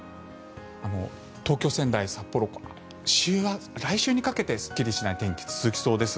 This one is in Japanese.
東京、仙台、札幌来週にかけてすっきりしない天気続きそうです。